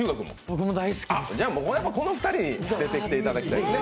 じゃあこの２人に出てきていただきたいね。